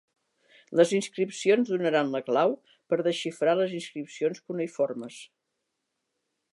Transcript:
Les inscripcions donaren la clau per desxifrar les inscripcions cuneïformes.